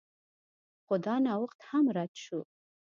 خو دا نوښت هم رد شو